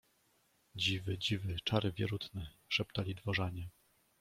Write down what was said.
Dziwy, dziwy, czary wierutne. — szeptali dworzanie.